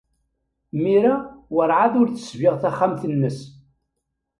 Mira werɛad ur tesbiɣ taxxamt-nnes.